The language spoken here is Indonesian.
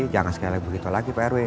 jangan sekali begitu lagi pak ero